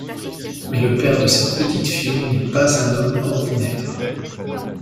Mais le père de cette petite fille n'est pas un homme ordinaire.